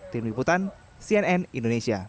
tim liputan cnn indonesia